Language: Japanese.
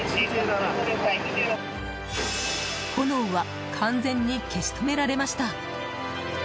炎は完全に消し止められました。